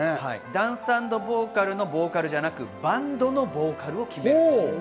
ダンス＆ボーカルのボーカルじゃなくバンドのボーカルを決めるということです。